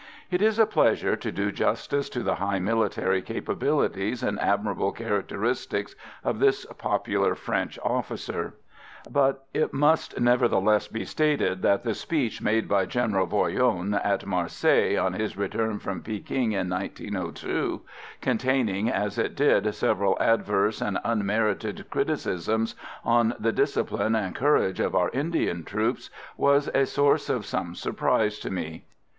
It is a pleasure to do justice to the high military capabilities and admirable characteristics of this popular French officer; but it must nevertheless be stated that the speech made by General Voyron at Marseilles, on his return from Pekin in 1902, containing as it did several adverse and unmerited criticisms on the discipline and courage of our Indian troops, was a source of some surprise to me.